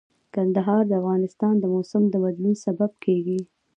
کندهار د افغانستان د موسم د بدلون سبب کېږي.